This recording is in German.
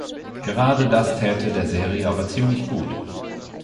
Gerade das täte der Serie aber ziemlich gut.